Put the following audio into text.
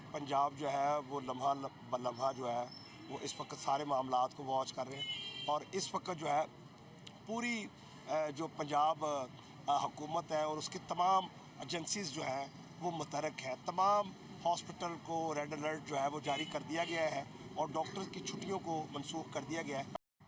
pemerintah punjab telah menjalankan perubahan dan menjalankan perubahan